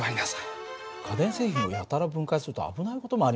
家電製品をやたら分解すると危ない事もありますからね。